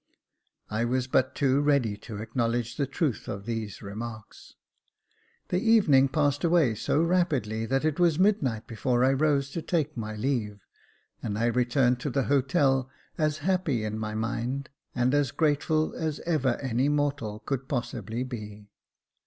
I was but too ready to acknowledge the truth of these remarks. The evening passed away so rapidly that it was midnight before I rose to take my leave, and I re turned to the hotel as happy in my mind, and as grateful as ever any mortal could possibly be.